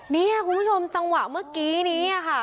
นี่คุณผู้ชมจังหวะเมื่อกี้นี้ค่ะ